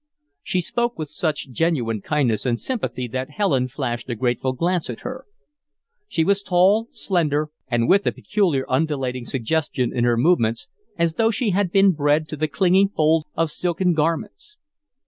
She spoke with such genuine kindness and sympathy that Helen flashed a grateful glance at her. She was tall, slender, and with a peculiar undulating suggestion in her movements, as though she had been bred to the clinging folds of silken garments.